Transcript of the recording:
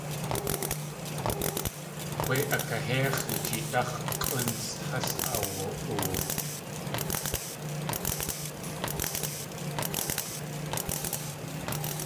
Wé akahéix̲i jeedáx̲ kʼúntsʼ has aawa.oo.